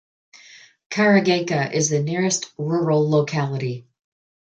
Karagayka is the nearest rural locality.